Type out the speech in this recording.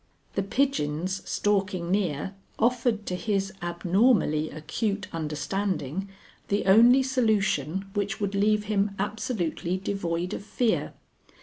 "The pigeons stalking near offered to his abnormally acute understanding the only solution which would leave him absolutely devoid of fear.